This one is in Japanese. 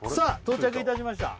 到着いたしました